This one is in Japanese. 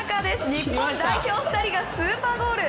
日本代表２人がスーパーゴール